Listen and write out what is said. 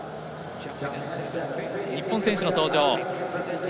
日本選手の登場